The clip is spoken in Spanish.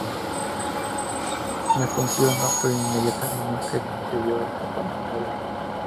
La fusión no fue inmediata sino que se dio de forma gradual.